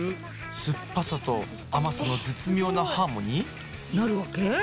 すっぱさとあまさの絶妙なハーモニー？なるわけ？